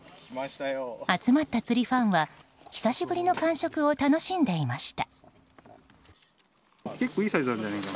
集まった釣りファンは久しぶりの感触を楽しんでいました。